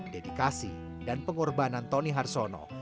dedikasi dan pengorbanan tony harsono